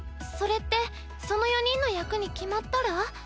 それってその４人の役に決まったら？